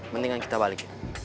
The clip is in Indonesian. mendingan kita balikin